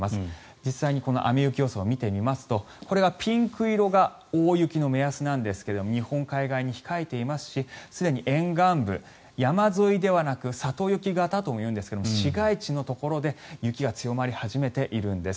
実際にこの雨・雪予想を見てみますとこれはピンク色が大雪の目安ですが日本海側に控えていますしすでに沿岸部山沿いではなく里雪型ともいうんですが市街地のところで雪が強まり始めているんです。